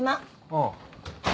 ああ。